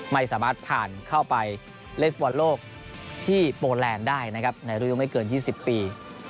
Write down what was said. ไม่สามารถผ่านเข้าไปเล่นฟอบร์นโลกที่โปรแลนด์ได้ในรูปยุงไม่เกิน๒๐ปี